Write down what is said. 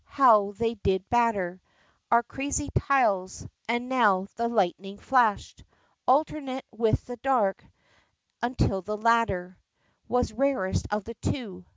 how they did batter Our crazy tiles: and now the lightning flashed Alternate with the dark, until the latter Was rarest of the two!